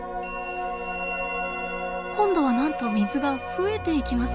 今度はなんと水が増えていきます！